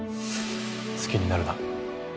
好きになるな。